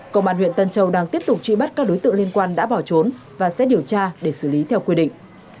công an huyện tân châu đang tiếp tục truy bắt các đối tượng liên quan đã bỏ trốn và sẽ điều tra để xử lý theo quy định